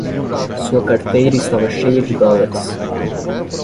Sua carteira estava cheia de dólares